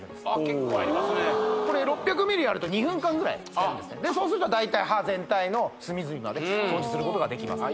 結構入りますね６００ｍｌあると２分間ぐらい使えますでそうすると歯全体の隅々まで掃除することができます